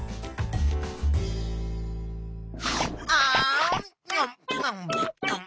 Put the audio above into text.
あん。